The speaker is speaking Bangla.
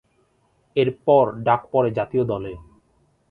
এরপর ডাক পরে জাতীয় দলে।